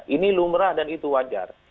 ini lumrah dan itu wajar